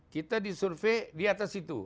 kita disurvey di atas itu